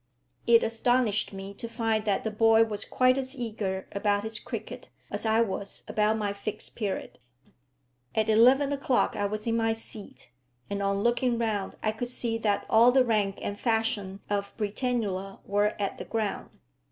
It astonished me to find that the boy was quite as eager about his cricket as I was about my Fixed Period. At eleven o'clock I was in my seat, and on looking round, I could see that all the rank and fashion of Britannula were at the ground.